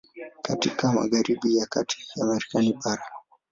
Iko katika magharibi ya kati ya Marekani bara.